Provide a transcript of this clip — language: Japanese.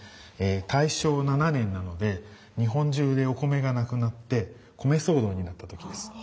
大正７年なので日本中でお米がなくなって米騒動になった時です。